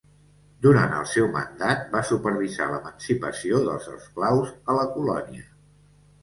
Durant el seu mandat, va supervisar l'emancipació dels esclaus a la colònia.